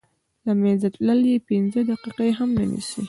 له منځه تلل یې پنځه دقیقې هم نه نیسي.